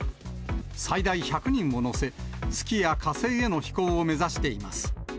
最大１００人を乗せ、月や火星への飛行を目指しています。